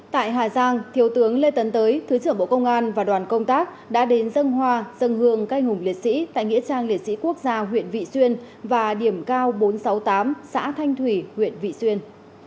tại hà giang thiếu tướng lê tấn tới thứ trưởng bộ công an và đoàn công tác đã đến dân hoa dân hương canh hùng liệt sĩ tại nghĩa trang liệt sĩ quốc gia huyện vị xuyên và điểm cao bốn trăm sáu mươi tám xã thanh thủy huyện vị xuyên